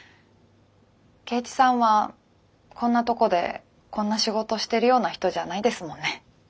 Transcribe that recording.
圭一さんはこんなとこでこんな仕事してるような人じゃないですもんね。